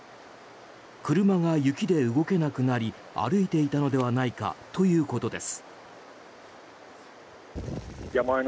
車が雪で動けなくなり歩いていたのではないかということです。